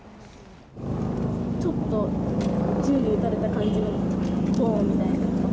ちょっと銃で撃たれた感じの、ぼーんみたいな音。